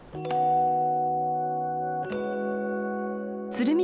鶴見